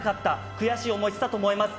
悔しい思いをしたと思います。